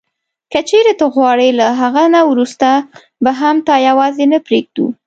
که چیري ته غواړې له هغه نه وروسته به هم تا یوازي نه پرېږدو.